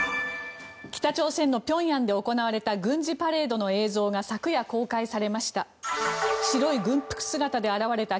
北朝鮮の平壌で行われた軍事パレードの映像が昨夜、公開されました。